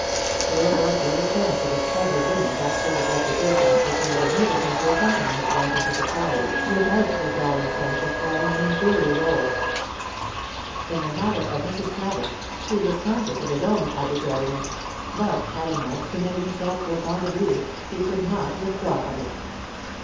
So there was little chance of his ever winning that sort of reputation which would have enabled him to accompany his wife into society without the galling sense of playing an inferior role. In the matter of Mrs. Travis, he was conscious of his own arbitrariness, but, having once committed himself to a point of view, he could not withdraw from it.